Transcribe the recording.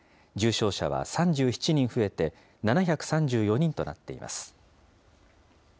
重症者は３７人増えて７３４人となっています。